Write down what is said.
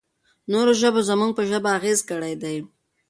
نورو ژبو زموږ پر ژبه اغېز کړی دی.